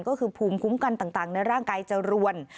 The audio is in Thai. ก็คือภูมิคุ้มกันต่างในร่างกายจะรวน